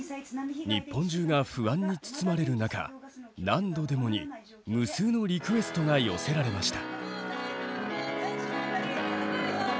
日本中が不安に包まれる中「何度でも」に無数のリクエストが寄せられました。